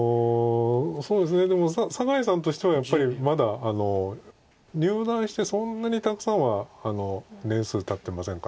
でも酒井さんとしてはやっぱりまだ入段してそんなにたくさんは年数たってませんかね。